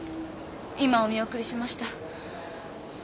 今お見送りしました。